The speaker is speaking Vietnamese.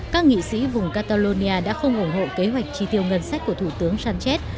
các nghị sĩ vùng catalonia đã không ủng hộ kế hoạch chi tiêu ngân sách của thủ tướng sánchez